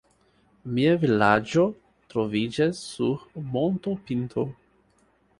Mia vilaĝo troviĝas sur montopinto.